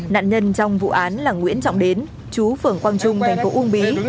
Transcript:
nạn nhân trong vụ án là nguyễn trọng đến chú phường quang trung thành phố uông bí